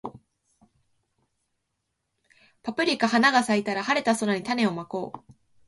パプリカ花が咲いたら、晴れた空に種をまこう